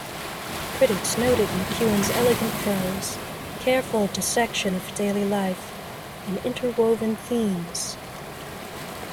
Critics noted McEwan's elegant prose, careful dissection of daily life, and interwoven themes.